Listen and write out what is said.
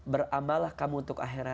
beramalah kamu untuk akhirat